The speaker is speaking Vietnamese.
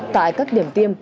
tại các điểm tiêm